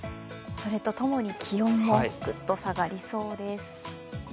それとともに気温もぐっと下がりそうです。